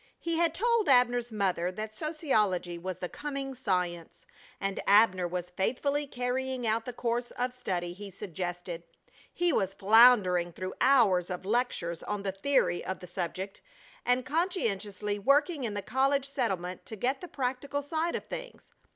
He had told Abner's mother that sociology was the coming science, and Abner was faithfully carrying out the course of study he suggested. He was floundering through hours of lectures on the theory of the subject, and conscientiously working in the college settlement to get the practical side of things.